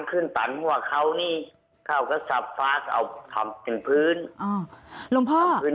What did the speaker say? ขึ้นตันหัวเขานี้เขาก็สับฟาดออกถำถึงพื้นอ๋อ